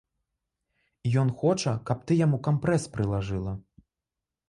Ён хоча, каб ты яму кампрэс прылажыла.